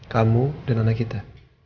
kamu dan anak kita